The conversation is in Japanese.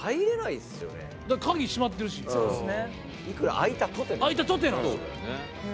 開いたとてなんですよ。